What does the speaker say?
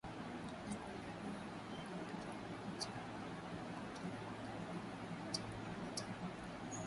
na kuendelea kuwahimiza wananchi kuwa wako tayari kukabiliana na lolote lile